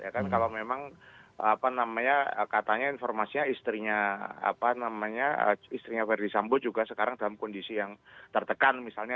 kalau memang katanya informasinya istrinya istrinya verdi sambo juga sekarang dalam kondisi yang tertekan misalnya